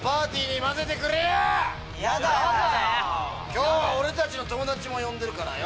今日は俺たちの友達も呼んでるからよ。